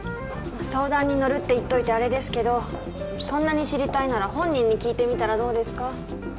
相談に乗るって言っといてあれですけどそんなに知りたいなら本人に聞いてみたらどうですか？